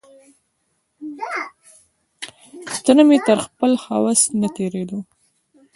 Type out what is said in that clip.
تره مې تر خپل هوس نه تېرېدو.